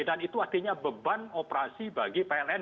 dan itu artinya beban operasi bagi pln